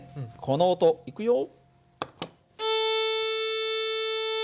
この音いくよ。